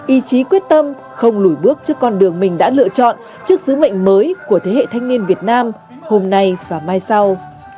ý chí quyết tâm không lùi bước trước con đường mình đã lựa chọn trước sứ mệnh mới của thế hệ thanh niên việt nam hôm nay và mai sau